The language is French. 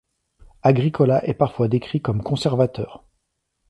Agricola est parfois décrit comme conservateur.